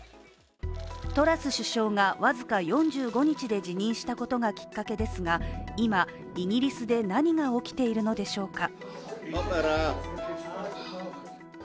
トラス首相が僅か４５日で辞任したことがきっかけですが、今、イギリスで何が起きているのでしょうか。